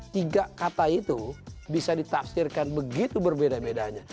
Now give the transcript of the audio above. tiga kata itu bisa ditafsirkan begitu berbeda bedanya